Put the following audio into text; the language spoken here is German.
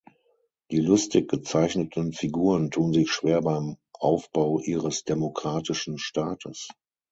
Die lustig gezeichneten Figuren tun sich schwer beim Aufbau ihres demokratischen Staates.